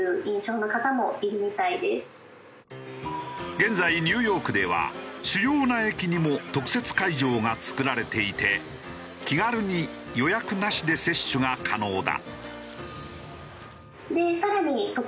現在ニューヨークでは主要な駅にも特設会場が作られていて気軽に予約なしで接種が可能だ。